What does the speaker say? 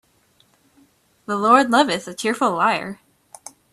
The Lord loveth a cheerful liar.